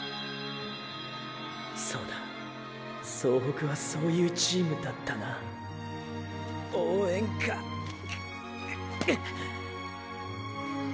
そうだ総北はそういうチームだったな応援かくっ。